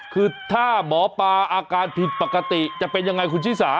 คือถ้าหมอปลาอาการผิดปกติจะเป็นยังไงคุณชิสา